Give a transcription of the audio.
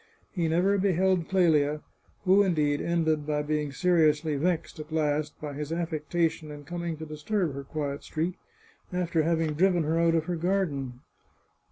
He never be held Clelia, who, indeed, ended by being seriously vexed, at last, by his affectation in coming to disturb her quiet street, after having driven her out of her garden.